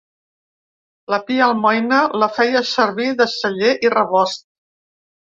La Pia Almoina la feia servir de celler i rebost.